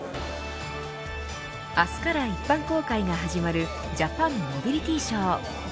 明日から一般公開が始まるジャパンモビリティショー。